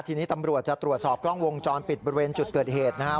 ทีนี้ตำรวจจะตรวจสอบกล้องวงจรปิดบริเวณจุดเกิดเหตุนะครับ